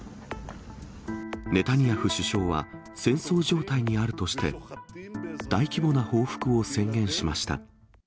ネタニヤフ首相は戦争状態にあるとして、大規模な報復を宣言しました。